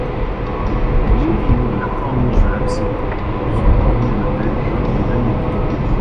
Les modillons de la corniche de l'abside sont ornés de têtes d'homme et d'animaux.